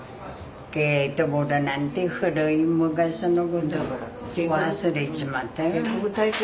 ゲートボールなんて古い昔のこと忘れちまったよ。